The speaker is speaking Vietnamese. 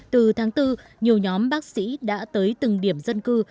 từ tháng bốn nhiều nhóm bác sĩ đã tới từng điểm dân cư